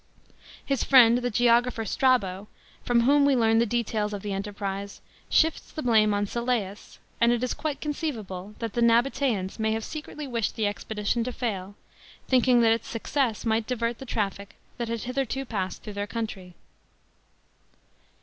His Iriend the geographer Strabo, from whom we learn the details of the enter prise, shifts the blame on Syllseus; and it is quite conceivable, that the Nabateans may have secretly wished the expedition to 'ail, thinking that its success might divert the traffic that had hitherto passed through their country.